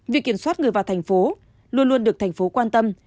việc kiểm soát người vào thành phố luôn luôn được thành phố quan tâm